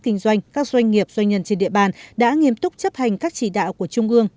kinh doanh các doanh nghiệp doanh nhân trên địa bàn đã nghiêm túc chấp hành các chỉ đạo của trung ương